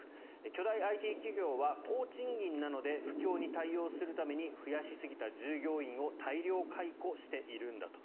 巨大ＩＴ企業は高賃金なので不況に対応するために増やしすぎた従業員を大量解雇しているんだと。